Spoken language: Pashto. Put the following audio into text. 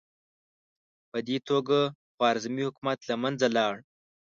په دې توګه خوارزمي حکومت له منځه لاړ.